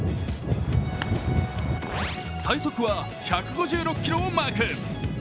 最速は１５６キロをマーク。